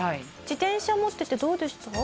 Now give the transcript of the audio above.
自転車持っててどうでした？